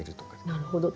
なるほど。